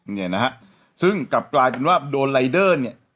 เนี่ยนะฮะซึ่งกลับกลายเป็นว่าโดนรายเดอร์เนี่ย